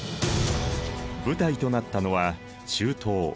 舞台となったのは中東。